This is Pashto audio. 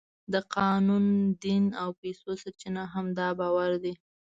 د قانون، دین او پیسو سرچینه هم دا باور دی.